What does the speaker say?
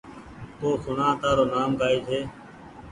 تو سوڻآ تآرو نآم ڪآئي ڇي